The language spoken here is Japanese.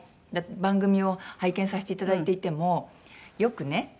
番組を拝見させて頂いていてもよくね